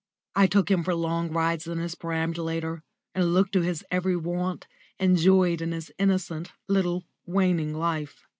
I took him for long rides in his perambulator, and looked to his every want and joyed in his innocent, little, waning life.